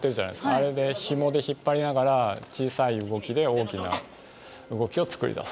あれでひもで引っ張りながら小さい動きで大きな動きを作り出す。